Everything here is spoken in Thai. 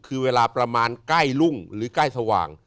คือเวลาประมาณใกล้รุ่งหรือใกล้สว่าง